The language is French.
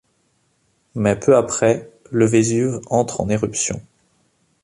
Mais peu après, le Vésuve entre en éruption.